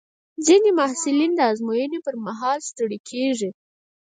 ځینې محصلین د ازموینو پر مهال ستړي کېږي.